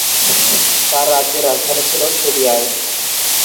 তার রাজ্যের রাজধানী ছিল শদিয়ায়।